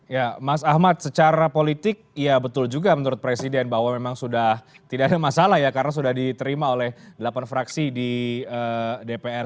ya mas ahmad secara politik ya betul juga menurut presiden bahwa memang sudah tidak ada masalah ya karena sudah diterima oleh delapan fraksi di dpr